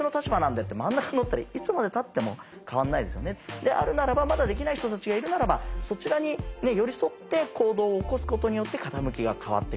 であるならばまだできない人たちがいるならばそちらに寄り添って行動を起こすことによって傾きが変わってく。